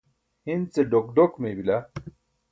hin ce ḍok ḍok mey bila